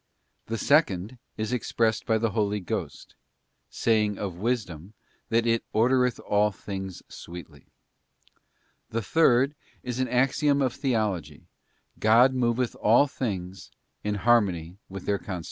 The second is expressed by the Holy Ghost saying of wisdom that it 'ordereth all things sweetly.' t The third is an axiom of Theology, God moveth all things in harmony with their constitution.